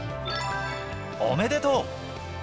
おめでとう。